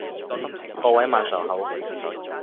各位晚上好